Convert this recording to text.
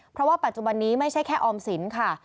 เพราะว่าปัจจุบันนี้ไม่ใช่แค่ออมสินค่ะ